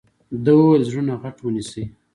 ده وويل زړونه غټ ونيسئ.